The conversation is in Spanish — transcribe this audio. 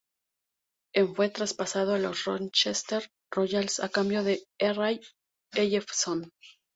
En fue traspasado a los Rochester Royals a cambio de Ray Ellefson.